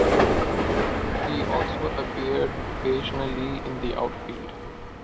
He also appeared occasionally in the outfield.